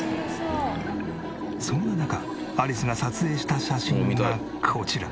そんな中アリスが撮影した写真がこちら。